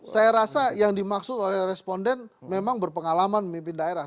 saya rasa yang dimaksud oleh responden memang berpengalaman memimpin daerah